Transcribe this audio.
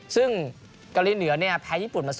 ซึ่งเกาหลีเหนือแพ้ญี่ปุ่นมา๒